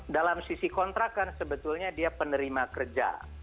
dalam sisi kontrak kan sebetulnya dia penerima kerja